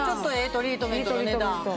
トリートメントの値段。